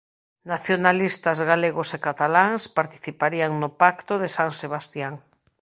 Nacionalistas galegos e cataláns participarían no Pacto de San Sebastián.